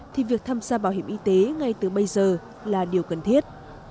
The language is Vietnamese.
thì việc tham gia bảo hiểm y tế ngay từ bây giờ là điều cần thiết